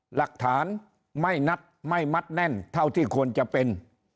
หลักฐานไม่นัดไม่มัดแน่นเท่าที่ควรจะเป็น